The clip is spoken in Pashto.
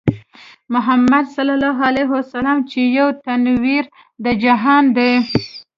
محمدص چې يو تنوير د دې جهان دی